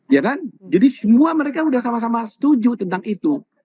ya kan jadi semua mereka sudah sama sama setuju tentang itu